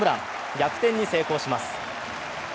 逆転に成功します。